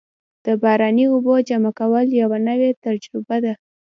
د باراني اوبو جمع کول یوه نوې تجربه ده.